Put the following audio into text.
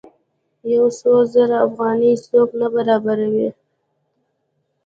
یو څو زره افغانۍ څوک نه برابروي.